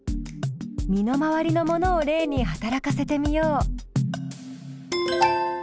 身の回りのものを例に働かせてみよう。